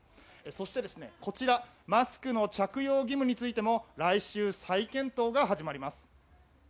そしてこちらマスクの着用義務についても来週、再検討が始まります。